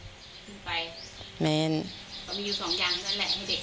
เพียงเป็นอยู่สองอย่างเนอะแหละ